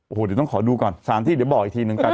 โอ้โหเดี๋ยวต้องขอดูก่อนสารที่เดี๋ยวบอกอีกทีนึงกัน